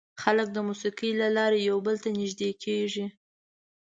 خلک د موسیقۍ له لارې یو بل ته نږدې کېږي.